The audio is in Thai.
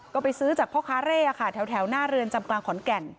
ก็ไปซื้อจากพ่อค้าเร่ค่ะแถวหน้าเรือนจำกลางขอนแก่น